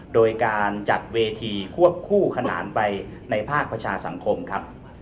โดยการจัดเวทีควบคู่ขนานไปในภาคประชาสังคมครับ